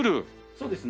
そうですね。